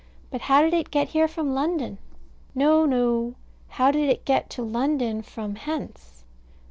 But how did it get here from London? No, no. How did it get to London from hence?